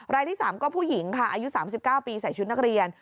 รายที่๓ก็ผู้หญิงค่ะอายุ๓๙ปีใส่ชุดนักเรียน